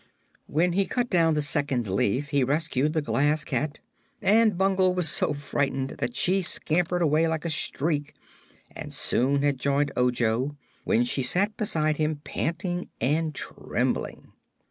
When he cut down the second leaf he rescued the Glass Cat, and Bungle was so frightened that she scampered away like a streak and soon had joined Ojo, when she sat beside him panting and trembling.